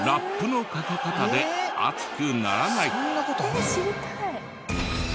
えっ知りたい！